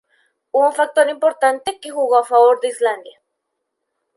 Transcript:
Hubo un factor importante que jugó a favor de Islandia.